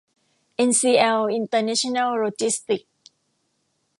เอ็นซีแอล อินเตอร์เนชั่นแนล โลจิสติกส์